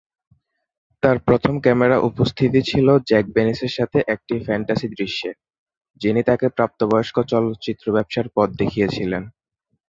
তার প্রথম ক্যামেরা উপস্থিতি ছিল জ্যাক ভেনিসের সাথে একটি ফ্যান্টাসি দৃশ্যে, যিনি তাকে প্রাপ্তবয়স্ক চলচ্চিত্র ব্যবসার পথ দেখিয়েছিলেন।